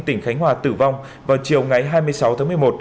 tỉnh khánh hòa tử vong vào chiều ngày hai mươi sáu tháng một mươi một